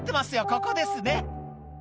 ここですね」